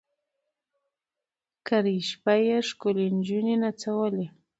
کرۍ شپه یې ښکلي نجوني نڅولې